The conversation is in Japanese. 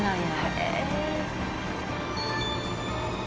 へえ。